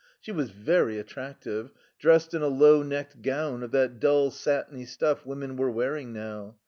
She was very attractive, dressed in a low necked gown of that dull, satiny stuff women were wearing now.